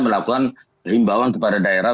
melakukan keimbangan kepada daerah